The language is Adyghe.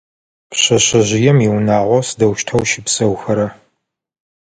Пшъэшъэжъыем иунагъо сыдэущтэу щыпсэухэра?